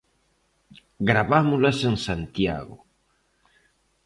Gravámolas en Santiago.